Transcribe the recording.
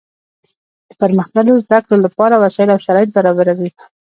د پرمختللو زده کړو له پاره وسائل او شرایط برابروي.